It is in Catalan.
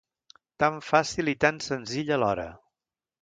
Tan fàcil i tan senzill alhora.